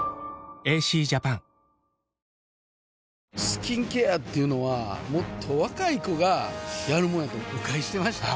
スキンケアっていうのはもっと若い子がやるもんやと誤解してました